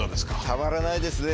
たまらないですね。